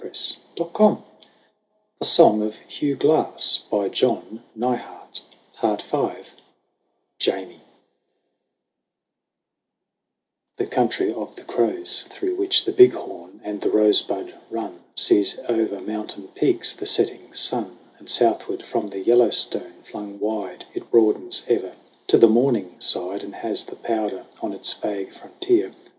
Where's Jamie?" "Started out before the snows For Atkinson/' JAMIE THE Country of the Crows, Through which the Big Horn and the Rosebud run, Sees over mountain peaks the setting sun ; And southward from the Yellowstone flung wide, It broadens ever to the morning side And has the Powder on its vague frontier.